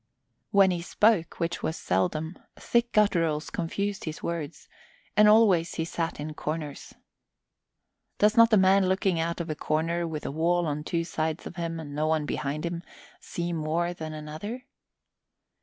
When he spoke, which was seldom, thick gutturals confused his words, and always he sat in corners. Does not a man looking out of a corner, with a wall on two sides of him and no one behind him, see more than another?